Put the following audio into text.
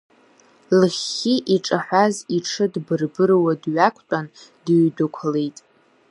Лахьхьи иҿаҳәаз иҽы дбырбыруа дҩақәтәан дыҩдәықәлеит.